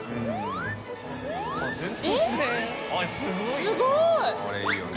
すごいな。